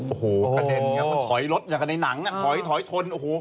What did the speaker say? โอ้โหกระเด็นอย่างนี้มันถอยรถอย่างในหนังถอยทน